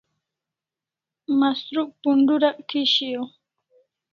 Mastruk pundu'irak thi shiau